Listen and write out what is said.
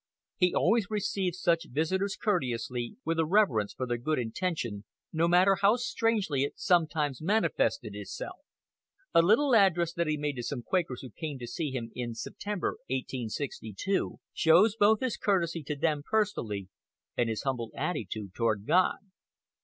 He always received such visitors courteously, with a reverence for their good intention, no matter how strangely it sometimes manifested itself. A little address that he made to some Quakers who came to see him in September, 1862, shows both his courtesy to them personally, and his humble attitude toward God.